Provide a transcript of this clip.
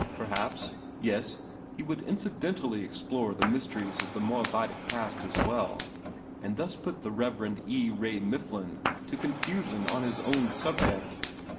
Perhaps yes, he would incidentally explore the mysteries of the Moabitic past as well, and thus put the Rev. E. Ray Mifflin to confusion on his own subject.